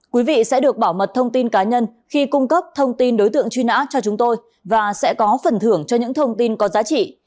quý vị sẽ được bảo mật thông tin cá nhân khi cung cấp thông tin đối tượng truy nã cho chúng tôi và sẽ có phần thưởng cho những thông tin có giá trị